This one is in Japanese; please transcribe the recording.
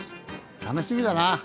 楽しみだな。